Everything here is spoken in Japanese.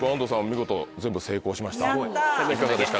見事全部成功しました。